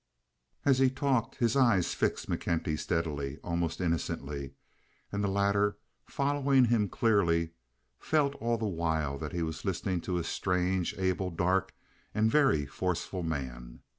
As he talked his eye fixed McKenty steadily, almost innocently; and the latter, following him clearly, felt all the while that he was listening to a strange, able, dark, and very forceful man.